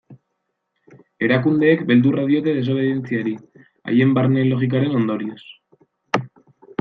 Erakundeek beldurra diote desobeditzeari, haien barne logikaren ondorioz.